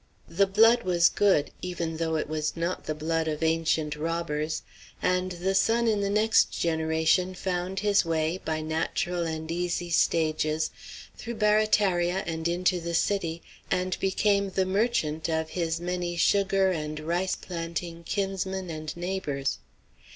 The blood was good, even though it was not the blood of ancient robbers; and the son in the next generation found his way, by natural and easy stages, through Barataria and into the city, and became the "merchant" of his many sugar and rice planting kinsmen and neighbors.